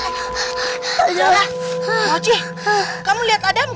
sarah mammochi kamu liat adam gak